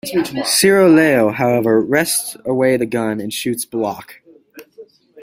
Siroleo, however, wrests away the gun and shoots Block.